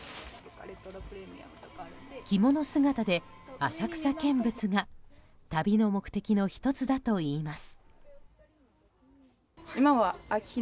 着物姿で浅草見物が旅の目的の１つだといいます。